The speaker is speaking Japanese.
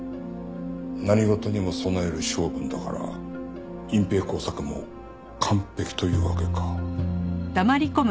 何事にも備える性分だから隠蔽工作も完璧というわけか。